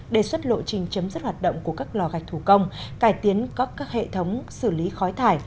đề xuất lộ trình chấm dứt hoạt động của các lò gạch thủ công cải tiến các hệ thống xử lý khói thải